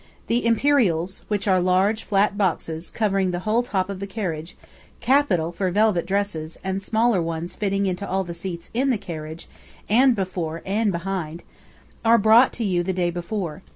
The imperials (which are large, flat boxes, covering the whole top of the carriage, capital for velvet dresses, and smaller ones fitting into all the seats in the carriage, and before and behind) are brought to you the day before.